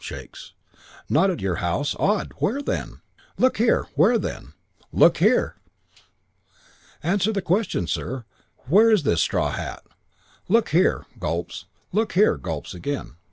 "Shakes. "'Not at your house! Odd. Where, then?' "'Look here ' "'Where then?' "'Look here ' "'Answer the question, sir. Where is this straw hat?' "'Look here ' Gulps. 'Look here ' Gulps again.